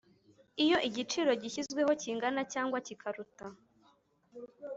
Iyo igiciro gishyizweho kingana cyangwa kikaruta